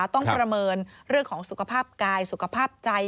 ประเมินเรื่องของสุขภาพกายสุขภาพใจ